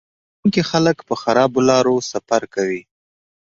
تجربه لرونکي خلک په خرابو لارو سفر کوي